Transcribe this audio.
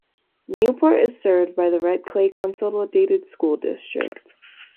Newport is served by the Red Clay Consolidated School District.